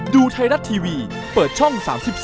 ดูไทยรัฐทีวีเปิดช่อง๓๒